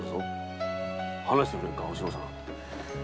話してくれんかおしのさん。